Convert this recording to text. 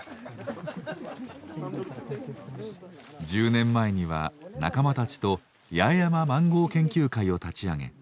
１０年前には仲間たちと八重山マンゴー研究会を立ち上げ